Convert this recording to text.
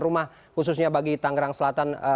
rumah khususnya bagi tangerang selatan